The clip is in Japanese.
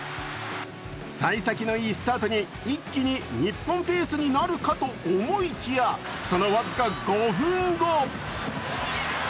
さい先のいいスタートに、一気に日本ペースになるかと思いきやその僅か５分後。